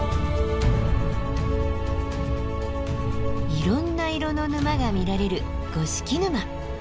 いろんな色の沼が見られる五色沼。